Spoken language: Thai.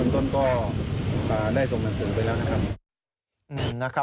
ต้นก็ได้ส่งหนังสือไปแล้วนะครับ